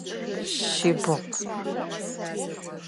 Шъибгъу.